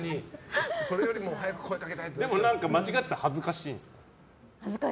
間違ってたら恥ずかしいですか？